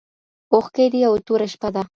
اوښکي دي او توره شپه ده